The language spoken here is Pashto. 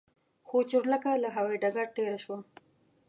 خو چورلکه له هوايي ډګر تېره شوه.